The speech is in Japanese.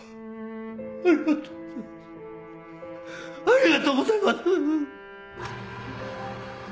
ありがとうございます！